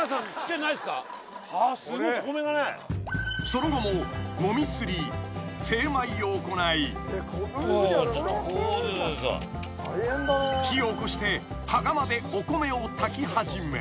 ［その後ももみすり精米を行い］［火をおこして羽釜でお米を炊き始め］